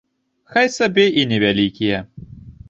Хай сабе і невялікія.